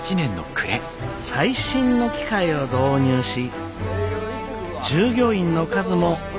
最新の機械を導入し従業員の数も大幅に増やしました。